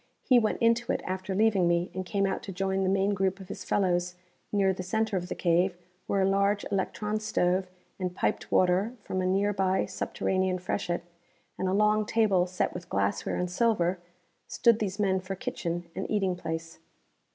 He went into it after leaving me, and came out to join the main group of his fellows near the center of the cave where a large electron stove, and piped water from a nearby subterranean freshet, and a long table set with glassware and silver, stood these men for kitchen and eating place.